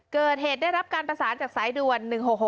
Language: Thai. ได้รับการประสานจากสายด่วน๑๖๖